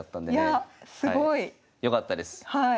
いやすごい。よかったです。